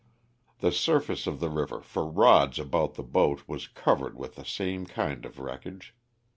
The surface of the river for rods about the boat was covered with the same kind of wreckage.